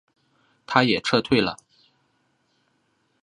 他也撤退了。